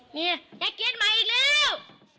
นี่แก๊กเก็ตมาอีกแล้ว